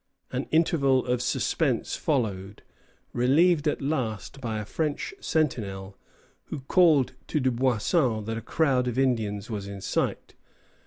An interval of suspense followed, relieved at last by a French sentinel, who called to Dubuisson that a crowd of Indians was in sight.